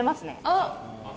あっ！